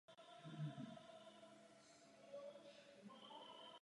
Život této historické postavy je pro nedostatek historických informací velmi málo známý.